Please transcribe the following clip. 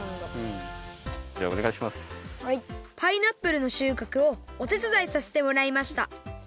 パイナップルのしゅうかくをおてつだいさせてもらいました